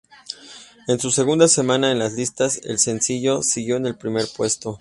En su segunda semana en las listas, el sencillo siguió en el primer puesto.